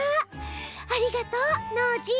ありがとうノージー！